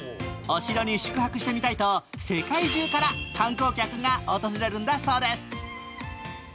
お城に宿泊してみたいと世界中から観光客が訪れるんだそうです。